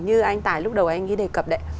như anh tài lúc đầu anh ấy đề cập